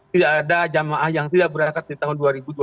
tidak ada jamaah yang tidak berangkat di tahun dua ribu dua puluh